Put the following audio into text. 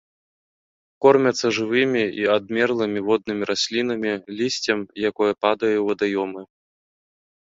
Кормяцца жывымі і адмерлымі воднымі раслінамі, лісцем, якое падае ў вадаёмы.